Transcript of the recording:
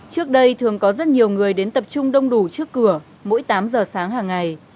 trước đây thường có rất nhiều người đến tập trung đông đủ trước cửa mỗi tám giờ sáng hàng ngày